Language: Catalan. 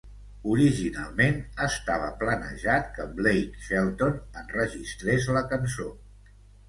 Originalment, estava planejat que Blake Shelton enregistrés la cançó.